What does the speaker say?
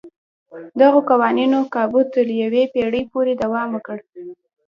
دغو قوانینو کابو تر یوې پېړۍ پورې دوام وکړ.